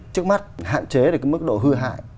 trước mắt hạn chế được cái mức độ hư hại